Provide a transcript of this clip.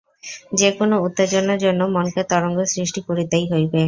যে-কোন উত্তেজনার জন্য মনকে তরঙ্গ সৃষ্টি করিতেই হইবে।